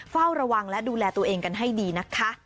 เฝ้าระวังและดูแลตัวเองกันให้ดีนะคะ